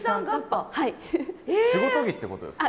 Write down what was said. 仕事着ってことですか？